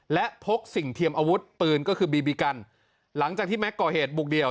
และพกสิ่งเทียมอาวุธปืนก็คือบีบีกันหลังจากที่แก๊กก่อเหตุบุกเดี่ยว